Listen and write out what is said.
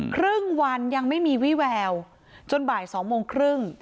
ครึ่งวันยังไม่มีวี่แววจนบ่ายสองโมงครึ่ง